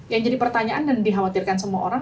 yang jadi pertanyaan dan dikhawatirkan semua orang